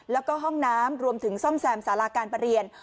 แล้วก็ห้องน้ำรวมถึงซ่อมแซมสาราการประเรียน